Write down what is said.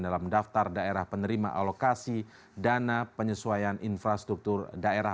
dalam daftar daerah penerima alokasi dana penyesuaian infrastruktur daerah